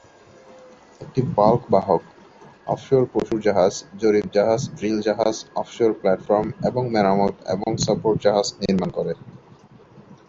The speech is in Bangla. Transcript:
এটি বাল্ক বাহক, অফশোর পশুর জাহাজ, জরিপ জাহাজ, ড্রিল জাহাজ, অফশোর প্ল্যাটফর্ম এবং মেরামত এবং সাপোর্ট জাহাজ নির্মাণ করে।